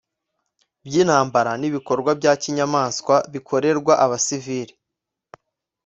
by intambara ni ibikorwa bya kinyamaswa bikorerwa abasiviri